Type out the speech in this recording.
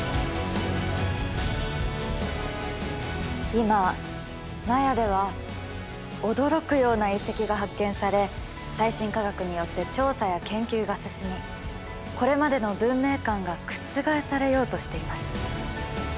今マヤでは驚くような遺跡が発見され最新科学によって調査や研究が進みこれまでの文明観が覆されようとしています。